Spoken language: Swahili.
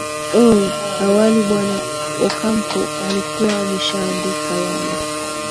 o awali bwana ocampo alikuwa ameshaandikia wale